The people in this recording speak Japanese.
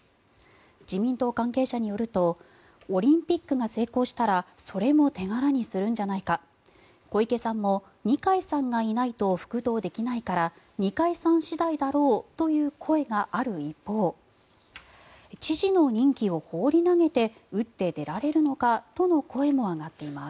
自民党関係者によるとオリンピックが成功したらそれも手柄にするんじゃないか小池さんも二階さんがいないと復党できないから二階さん次第だろうという声がある一方知事の任期を放り投げて打って出られるのか？との声も上がっています。